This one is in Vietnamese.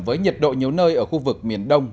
với nhiệt độ nhiều nơi ở khu vực miền đông